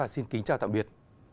xin kính chào tạm biệt